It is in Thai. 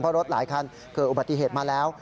เพราะรถหลายคันเกิดอุบัติเหตุมาแล้ว